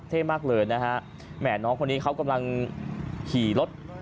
เท่มากเลยนะฮะแหม่น้องคนนี้เขากำลังขี่รถ